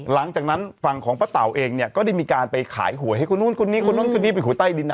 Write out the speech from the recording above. หลังจากนั้นฝั่งของป้าเต๋าเองเนี่ยก็ได้มีการไปขายหวยให้คนนู้นคนนี้คนนู้นคนนี้ไปหวยใต้ดินนะ